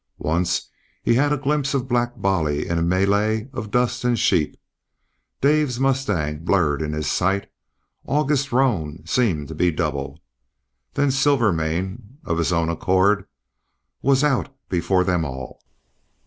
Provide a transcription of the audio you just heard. Once he had a glimpse of Black Bolly in a melee of dust and sheep; Dave's mustang blurred in his sight; August's roan seemed to be double. Then Silvermane, of his own accord, was out before them all.